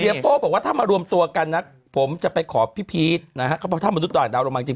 โป้บอกว่าถ้ามารวมตัวกันนะผมจะไปขอพี่พีชนะฮะเขาบอกถ้ามนุษย์ต่างดาวลงมาจริง